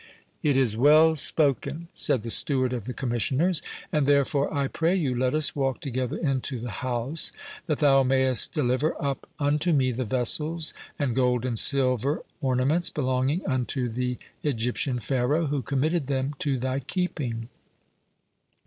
"It is well spoken," said the steward of the Commissioners; "and therefore, I pray you, let us walk together into the house, that thou may'st deliver up unto me the vessels, and gold and silver ornaments, belonging unto the Egyptian Pharaoh, who committed them to thy keeping."